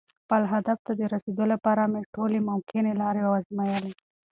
خپل هدف ته د رسېدو لپاره مې ټولې ممکنې لارې وازمویلې.